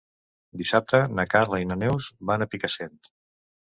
Dissabte na Carla i na Neus van a Picassent.